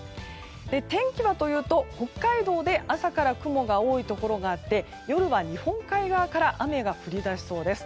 天気はというと北海道で朝から雲が多いところがあり夜は日本海側から雨が降りだしそうです。